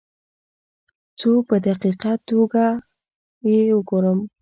څو په دقیقه توګه یې وګورم.